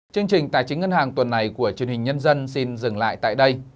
chương trình tài chính ngân hàng tuần này của truyền hình nhân dân xin dừng lại tại đây